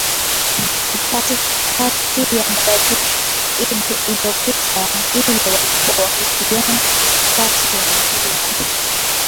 katikati ya mogadishu idd iliopita ile walikuwa wakipigana katikati ya mji wa mogadishu